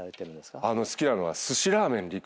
好きなのが。